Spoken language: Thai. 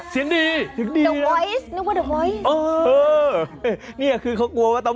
สกิดยิ้ม